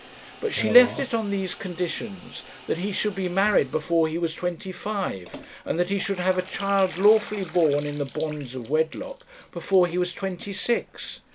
But she left it on these conditions, that he should be married before he was twenty five, and that he should have a child lawfully born in the bonds of wedlock before he was twenty six.